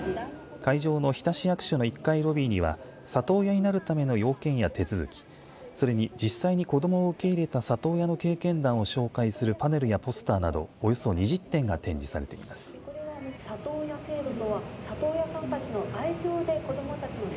会場の日田市役所の１階ロビーには里親になるための要件や手続きそれに実際に子どもを受け入れた里親の経験談を紹介するパネルやポスターなどおよそ２０点が展示されています。